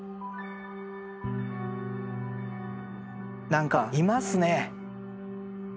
何かいますね！